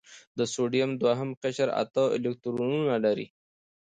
د سوډیم دوهم قشر اته الکترونونه لري.